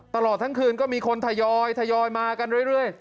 ตลอดทั้งคืนก็มีคนทยอยทยอยมากันเรื่อย